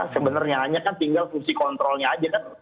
sebenarnya hanya kan tinggal fungsi kontrolnya aja kan